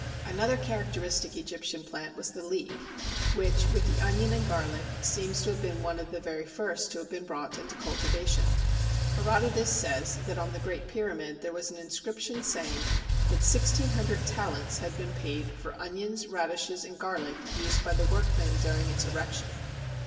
Another characteristic Egyptian plant was the Leek, which with the onion and garlic seems to have been one of the very first to be brought into cultivation. Herodotus says that on the Great Pyramid there was an inscription saying that 1600 talents had been paid for onions, radishes, and garlic used by the workmen during its erection.